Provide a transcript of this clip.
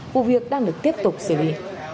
vụ việc đang được tiếp tục xử lý